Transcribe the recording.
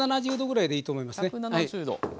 １７０℃ぐらいでいいと思いますね。